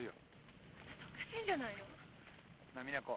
あなたおかしいんじゃないの！？なぁ実那子。